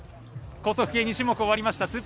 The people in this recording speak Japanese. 高速系２種目終わりました。